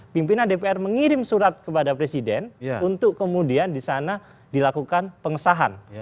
pimpinan dpr mengirim surat kepada presiden untuk kemudian di sana dilakukan pengesahan